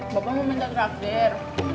bapak mau minta terakhir